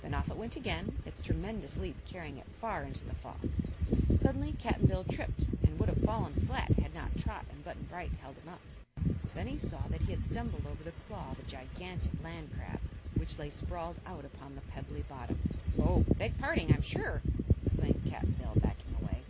Then off it went again, its tremendous leap carrying it far into the fog. Suddenly Cap'n Bill tripped and would have fallen flat had not Trot and Button Bright held him up. Then he saw that he had stumbled over the claw of a gigantic land crab, which lay sprawled out upon the pebbly bottom. "Oh; beg parding, I'm sure!" exclaimed Cap'n Bill backing away.